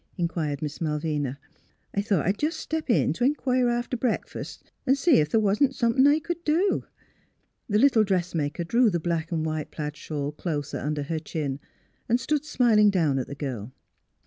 " in quired Miss Malvina. " I thought I'd jes' step in t' inquire after breakfas', V see ef the' wa'n't somethin' I c'd do." The little dressmaker drew the black and white plaid shawl closer under her chin, and stood smiling down at the girl.